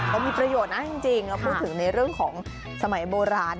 เขามีประโยชน์นะจริงเราพูดถึงในเรื่องของสมัยโบราณ